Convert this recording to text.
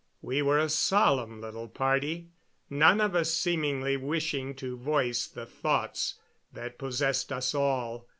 We were a solemn little party, none of us seemingly wishing to voice the thoughts that possessed us all.